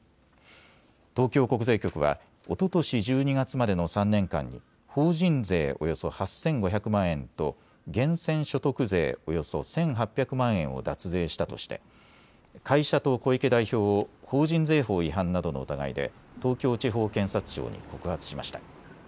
東京国税局はおととし１２月までの３年間に法人税およそ８５００万円と源泉所得税およそ１８００万円を脱税したとして会社と小池代表を法人税法違反などの疑いで東京地方検察庁に告発しました。